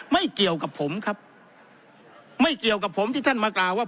ไม่เกี่ยวกับผมครับไม่เกี่ยวกับผมที่ท่านมากล่าวว่า